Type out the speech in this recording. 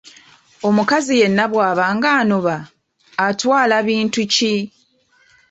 Omukazi yenna bw’aba ng’anoba atwala bintu ki?